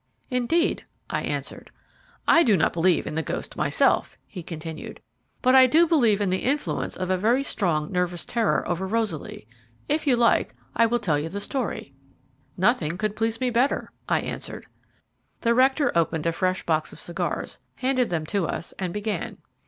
"Indeed," I answered. "I do not believe in the ghost myself," he continued; "but I do believe in the influence of a very strong, nervous terror over Rosaly. If you like, I will tell you the story." "Nothing could please me better," I answered. The rector opened a fresh box of cigars, handed them to us, and began.